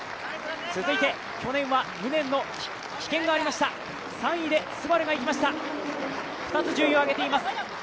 続いて去年は無念の棄権がありました３位でＳＵＢＡＲＵがいきました、２つ順位を上げています。